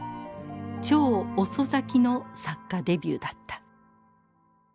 超遅咲きの作家デビューだった。